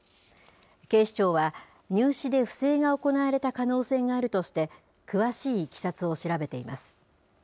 警視庁は、入試で不正が行われた可能性があるとして、詳しいいきさつを調べています。